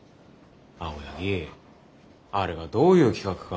青柳あれがどういう企画か。